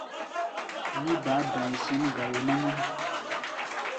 Mí baá da̧i̧ sɛ̌n gayo náŋ-ám.